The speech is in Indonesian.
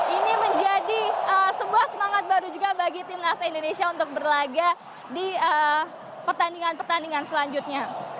ini menjadi sebuah semangat baru juga bagi timnas indonesia untuk berlaga di pertandingan pertandingan selanjutnya